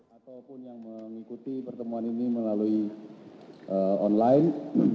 ataupun yang mengikuti pertemuan ini melalui online